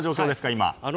今。